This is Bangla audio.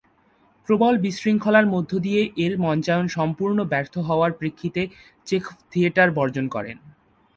প্রবল বিশৃঙ্খলার মধ্য দিয়ে এর মঞ্চায়ন সম্পূর্ণ ব্যর্থ হওয়ার প্রেক্ষিতে চেখভ থিয়েটার বর্জন করেন।